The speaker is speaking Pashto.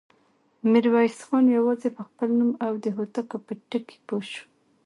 ميرويس خان يواځې په خپل نوم او د هوتکو په ټکي پوه شو.